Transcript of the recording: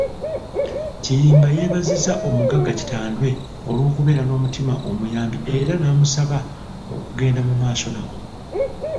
Kiyimba yeebazizza omugagga Kitandwe olw'okubeera n'omutima omuyambi era n'amusaba okugenda mu maaso nagwo.